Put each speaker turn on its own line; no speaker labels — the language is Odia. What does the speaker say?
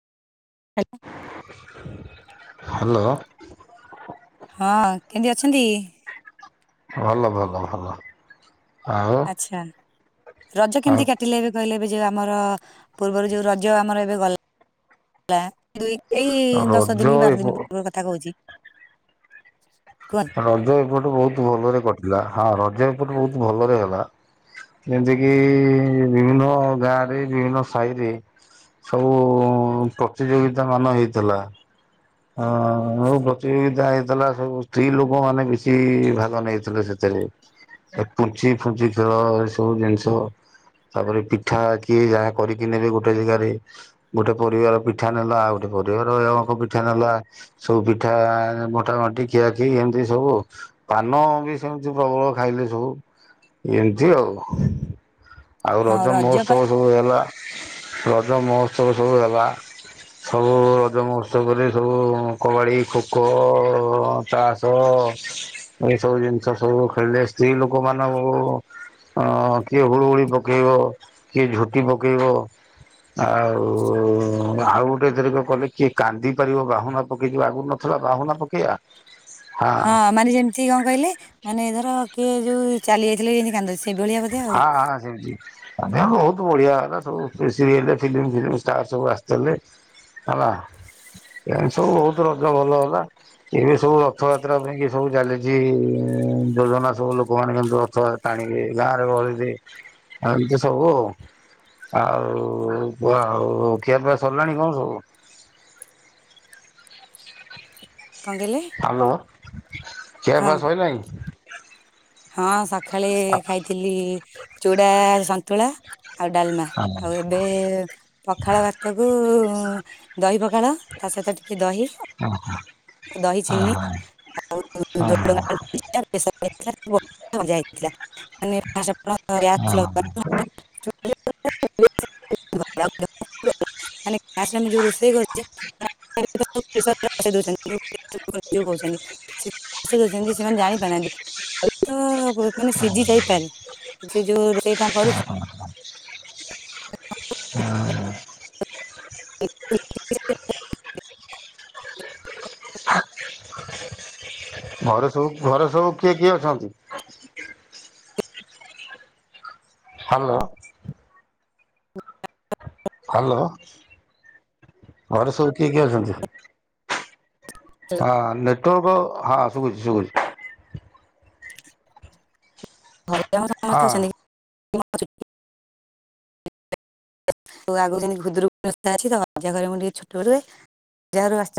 ହ୍ୟାଲୋ।
ହ୍ୟାଲୋ।
ହଁ କେମିତି ଅଛନ୍ତି?
ଭଲ ଭଲ ଭଲ। ଆଉ
ଆଚ୍ଛା ରଜ
ଆଉ
କେମିତି କାଟିଲେ ଏବେ କହିଲେ ଏବେ ଯଉ ଆମର ପୂର୍ବରୁ ଯୋଉ ରଜ ଆମର ଏବେ ଗଲା। ହେଇ ଏଇ ଦଶ
ରଜ
ଦିନ କି ବାର
ଏପ
ଦିନ ପୂର୍ବର କଥା କଥା କହୁଛି। କୁହନ୍ତୁ
ରଜ ଏପଟ ବହୁତ ଭଲରେ କଟିଲା ହଁ ରଜ ଏପଟ ବହୁତ ଭଲରେ ହେଲା। ଯେମିତି କିି ବିଭିନ୍ନ ଗାଁ ରେ ବିଭିନ୍ନ ସାହିରେ। ସବୁ ପ୍ରତିଯୋଗିତାମାନ ହେଇଥିଲା। ହଁ। ମୋ ପ୍ରତିଯୋଗିତା ହେଇଥିଲା ସବୁ ସ୍ତ୍ରୀ ଲୋକ ମାନେ ବେଶି ଭାଗ ନେଇଥିଲେ ସେଥିରେ ଏ ପୁଞ୍ଚି ଫୁଞ୍ଚି ଖେଳ ଏ ସବୁ ଜିନିଷ ତାପରେ ପିଠା କିଏ ଯାହା କରିକି ନେବେ ଗୋଟେ ଜାଗାରେ ଗୋଟେ ପରିବାର ପିଠା ନେଲା ଆଉ ଗୋଟେ ପରିବାରଙ୍କ ପିଠା ନେଲା। ସବୁ ପିଠା ମୋଟାମୋଟି କିିଆଖି ଏମିତି ସବୁ ଆଉ। ପାନ ବି ସେମିତି ପ୍ରବଳ ଖାଇଲେ ସବୁ। ଏମିତି ଆଉ। ଆଉ
ହଁ
ରଜ
ପା
ମୋହତ୍ସବ ସବୁ ହେଲା। ରଜ ମହୋତ୍ସବ ସବୁ ହେଲା। ସବୁ ରଜ ମହୋଉ ରେ ସବୁ କବାଡ଼ି ଖୋଖୋ ତାସ ଏଇ ସବୁ ଜିନିଷ ସବୁ ଖେଳିଲେ। ସ୍ତ୍ରୀ ଲୋକ ମାନଙ୍କୁ ଅଁ କିଏ ହୁଳୁହୁଳି ପକେଇବ କିଏ ଝୋଟି ପକେଇବ। ଆଉ ଆଉ ଗୋଟେ ଏଥରକ କଲେ କିଏ କାନ୍ଦି ପାରିବ ବାହୁନା ପକେଇକି ଆଗରୁ ନଥିଲା ବାହୁନା ପକେଇବା।
ହଁ ମାନେ ଯେମିତି କଣ କହିଲେ ମାନେ ଏ ଧର କିଏ ଯୋଉ ଚାଲି ଯାଇଥିଲେ ଯେମିତି କାନ୍ଦୁ ସେଇଭଳିଆ। ବୋଧେ ଆଉ
ହଁ ହଁ। ଆମ ବହୁତ ବଢିଆ ହେଲା। ସବୁ ସିରିଏଲ ଫିଲ୍ମ ଫିଲ୍ମ ଷ୍ଟାର ସବୁ ଆସିଥିଲେ। ହେଲା ଏମତି ସବୁ ବହୁତ ରଜ ଭଲ ହେଲା। ଏବେ ସବୁ ରଥଯାତ୍ରା ପାଇଁ କି ସବୁ ଚାଲିଛି ଯୋଜନା ସବୁ ଲୋକମାନେ କିନ୍ତୁ ରଥଯା ଟାଣିବେ ଗାଁରେ ଗହଳିରେ ଏମିତି ସବୁ ଆଉ। ଆଉ ଆଉ ଖିଆ ପିଆ ସରିଲାଣି କଣ ସବୁ?
କଣ କହିଲେ?
ହ୍ୟାଲୋ ଖିଆ
ହଁ
ପିଆ ସଇଲାଣି।
ହଁ ସକାଳେ ଖାଇଥିଲି ଚୁଡ଼ା ସନ୍ତୁଳା ଆଉ ଡାଲ୍ମା।
ହଁ
ଆଉ ଏବେ ପଖାଳ ଭାତକୁ ଦହି ପଖାଳ। ତା ସହିତ ଟିକେ ଦହି।
ଓହୋ।
ଦହି ଚିନି ଆଉ
ହଁ
[unintelligible]
ହଁ
ମଜା ହେଇଥିଲା।
ହଁ
[unintelligible] [unintelligible] [unintelligible] ମାନେ ଗ୍ୟାସରେ ଆମେ ଯଉ ରୋଷେଇ କରୁଛେ [unintelligible] [unintelligible] ସେମାନେ ଜାଣି ପାରୁନାହାନ୍ତି। ତ ମାନେ ସିଝି ଯାଇପାରେ। ସେ ଯୋଉ ସେଇଟା କଣ କରୁଛି? [unintelligible]
ଘରେ ସବୁ ଘରେ ସବୁ କିଏ କିଏ ଅଛନ୍ତି? ହାଲୋ।
[unintelligible]
ହ୍ୟାଲୋ ଘରେ ସବୁ କିଏ କିଏ ଅଛନ୍ତି? ହଁ ନେଟୱାର୍କ ହଁ ଶୁବୁଛି ଶୁବୁଛି।
ହମ ସମସ୍ତେ
ହଁ।
ଅଛନ୍ତି। [unintelligible] ଆଗରୁ ଯେନ୍ତି ଖୁଦୁରୁକୁଣୀ ଓଷା ଅଛି। ଜରେ ମୁ ଟିକେ ଛୋଟ ରୁହେ। ଅଜା ଘରକୁ ଆସି